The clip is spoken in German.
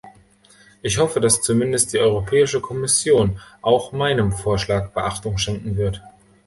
Ich hoffe, dass zumindest die Europäische Kommission auch meinem Vorschlag Beachtung schenken wird.